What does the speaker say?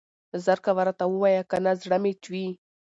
زر کوه راته ووايه کنه زړه مې چوي.